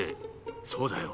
そうだよ。